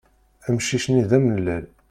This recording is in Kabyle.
Amcic-nni d amellal.